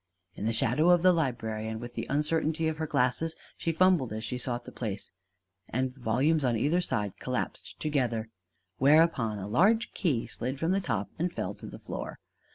In the shadow of the library and with the uncertainty of her glasses, she fumbled as she sought the place, and the volumes on each side collapsed together. Whereupon a large key slid from the top and fell to the floor.